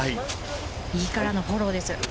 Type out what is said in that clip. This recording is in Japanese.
右からのフォローです。